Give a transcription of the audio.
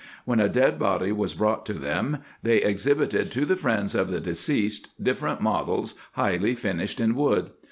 When a dead body was brought to them, they ex hibited to the friends of the deceased different models, highly finished in wood.